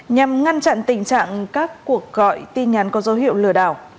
nhằm ngăn chặn tình trạng các cuộc gọi tin nhắn có dấu hiệu lừa đảo